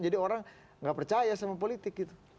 jadi orang nggak percaya sama politik gitu